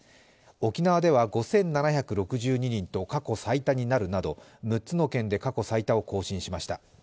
沖縄では５７６２人と過去最多になるなど６つの県で過去最多を更新しました。